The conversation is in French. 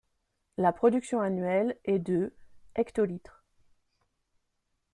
La production annuelle est de hl.